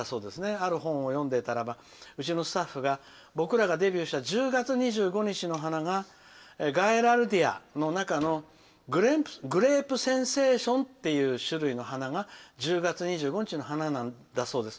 ある本を読んでいたらばうちのスタッフが僕らがデビューした１０月２５日の歌が天人菊の中のグレープセンセーションっていう種類の花が１０月２５日の花だそうです。